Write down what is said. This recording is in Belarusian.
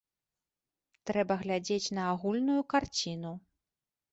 Трэба глядзець на агульную карціну.